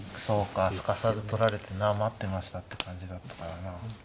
そうかすかさず取られて待ってましたって感じだったからなあ。